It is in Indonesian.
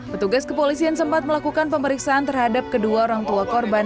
petugas kepolisian sempat melakukan pemeriksaan terhadap kedua orang tua korban